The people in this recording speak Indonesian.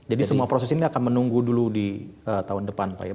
jadi semua proses ini akan menunggu dulu di tahun depan pak ya